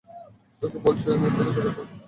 তোকে বলছি, ওই মেয়ের থেকে দূরে থাকো।